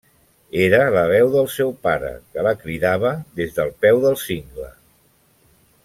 Era la veu del seu pare que la cridava des del peu del cingle.